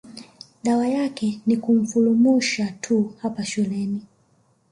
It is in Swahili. Dawa yake ni kumfulumusha tu hapa shuleni